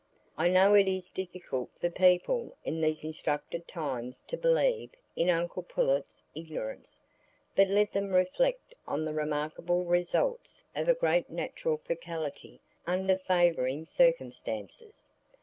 I know it is difficult for people in these instructed times to believe in uncle Pullet's ignorance; but let them reflect on the remarkable results of a great natural faculty under favouring circumstances.